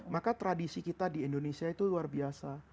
maka tradisi kita di indonesia itu luar biasa